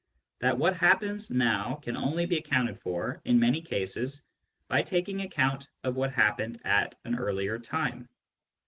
that what happens now can only be accounted for, in many cases, by taking account of what happened at an earlier time.